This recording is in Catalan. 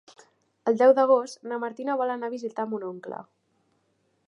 El deu d'agost na Martina vol anar a visitar mon oncle.